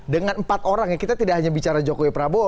dengan empat orang ya kita tidak hanya bicara jokowi prabowo